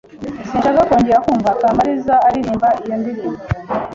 Sinshaka kongera kumva Kamaliza aririmba iyo ndirimbo.